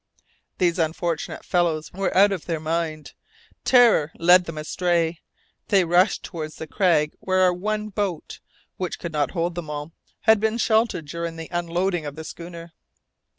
These unfortunate fellows were out of their mind. Terror led them astray. They rushed towards the crag where our one boat (which could not hold them all) had been sheltered during the unloading of the schooner.